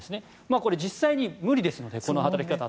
これ、実際に無理ですのでこの働き方は。